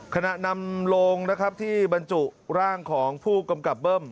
ขณะนำโลงนะครับที่บรรจุร่างของผู้กำกับเบิ้ม